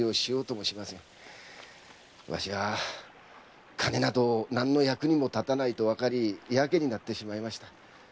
わしは金など何の役にもたたぬとわかり自棄になっていました。